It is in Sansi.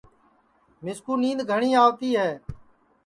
مِسکُو نِینٚدؔ گھٹؔی آوتی ہے